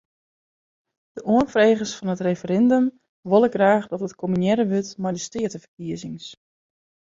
De oanfregers fan it referindum wolle graach dat it kombinearre wurdt mei de steateferkiezings.